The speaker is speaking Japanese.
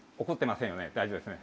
大丈夫ですね？